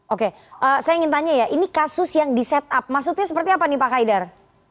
oke saya ingin tanya ya ini kasus yang di set up maksudnya seperti apa nih pak haidar